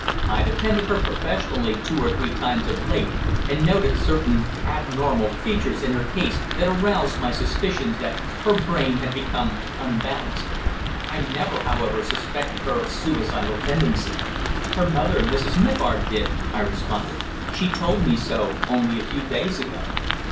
I've attended her professionally two or three times of late, and noted certain abnormal features in her case that aroused my suspicions that her brain had become unbalanced. I never, however, suspected her of suicidal tendency." "Her mother, Mrs. Mivart, did," I responded. "She told me so only a few days ago."